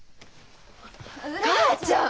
母ちゃん！